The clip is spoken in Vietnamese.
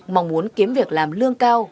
mong muốn kiếm việc làm lương cao